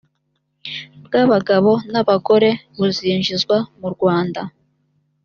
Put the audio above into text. bw abagore n abagabo buzinjizwa murwanda